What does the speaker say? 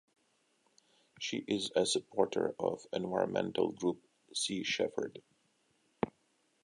She is a supporter of environmental group Sea Shepherd.